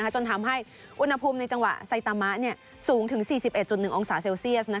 จนทำให้อุณหภูมิในจังหวะไซตามะสูงถึง๔๑๑องศาเซลเซียส